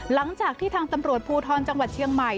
หลังจากที่ทางตำรวจภูทรจังหวัดเชียงใหม่